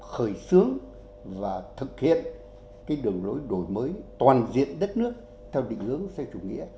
khởi xướng và thực hiện đường lối đổi mới toàn diện đất nước theo định hướng xe chủ nghĩa